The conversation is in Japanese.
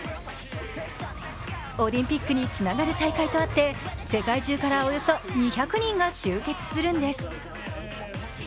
オリンピックにつながる大会とあって世界中からおよそ２００人が集結するんです。